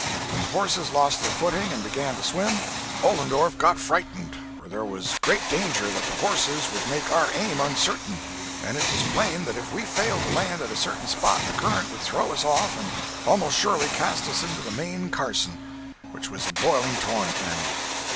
When the horses lost their footing and began to swim, Ollendorff got frightened, for there was great danger that the horses would make our aim uncertain, and it was plain that if we failed to land at a certain spot the current would throw us off and almost surely cast us into the main Carson, which was a boiling torrent, now.